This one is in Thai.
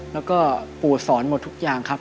แล้วก็ปู่สอนหมดทุกอย่างครับ